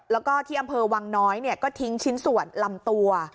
แล้วก็ที่อำเภอวังน้อยก็ทิ้งชิ้นส่วนลำตัว